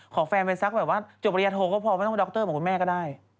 แฟนไปสักแบบว่าจบปริญญาโทก็พอไม่ต้องไปดรเหมือนคุณแม่ก็ได้